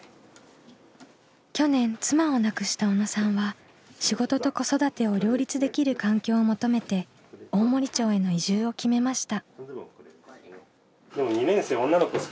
去年妻を亡くした小野さんは仕事と子育てを両立できる環境を求めて大森町への移住を決めました。